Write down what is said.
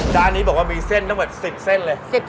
ร้านนี้บอกว่ามีเส้นทั้งหมด๑๐เส้นเลย